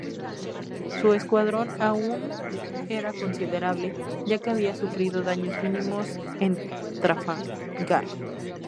Su escuadrón aún era considerable, ya que había sufrido daños mínimos en Trafalgar.